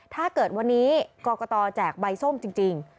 ถ้าเกิดวันนี้กรกตแจกใบส้มจริง